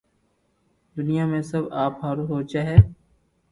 دنيا ۾ سب آپ ھارون سوچي ھي